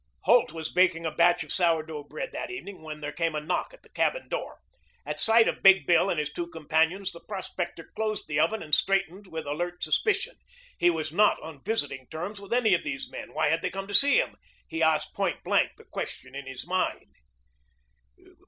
Holt was baking a batch of sour dough bread that evening when there came a knock at the cabin door. At sight of Big Bill and his two companions the prospector closed the oven and straightened with alert suspicion. He was not on visiting terms with any of these men. Why had they come to see him? He asked point blank the question in his mind.